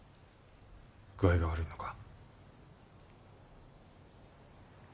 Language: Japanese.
具合が悪いのか？